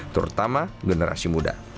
terutama generasi muda